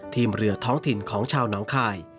เรือท้องถิ่นของชาวน้องคาย